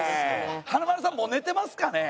華丸さんもう寝てますかね？